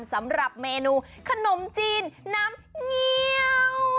สำหรับเมนูขนมจีนน้ำเงี้ยว